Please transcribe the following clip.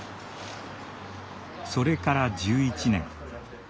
それから１１年。